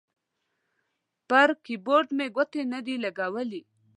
پر کیبورډ مې ګوتې نه دي لګولي